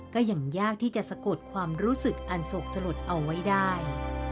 ก็ยังยากที่จะสะกดความรู้สึกอันโศกสลดเอาไว้ได้